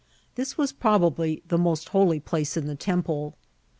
This was proba* bly the most holy place in the temple.